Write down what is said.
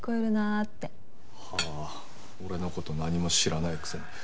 はあ俺の事何も知らないくせに。